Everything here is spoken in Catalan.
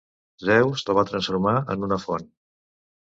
Zeus la va transformar en una font.